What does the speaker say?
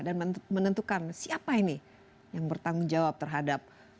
dan menentukan siapa ini yang bertanggung jawab terhadap lembaga